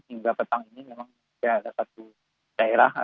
hingga petang ini memang tidak ada satu daerah